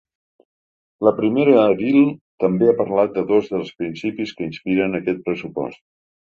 La primera edil també ha parlat de dos dels principis que inspiren aquest pressupost.